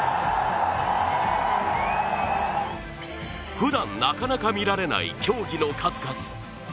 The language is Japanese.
ふだん、なかなか見られない競技の数々。